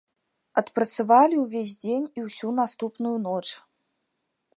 Адпрацавалі ўвесь дзень і ўсю наступную ноч.